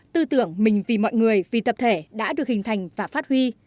tư tưởng mình vì mọi người vì tập thể đã được hình thành và phát huy